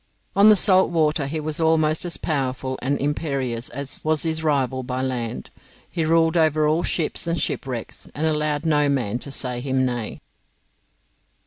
On the salt water he was almost as powerful and imperious as was his rival by land. He ruled over all ships and shipwrecks, and allowed no man to say him nay.